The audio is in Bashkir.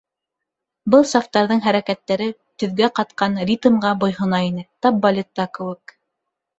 Был сафтарҙың хәрәкәттәре төҙгә ҡатҡан ритмға бойһона ине, тап балетта кеүек.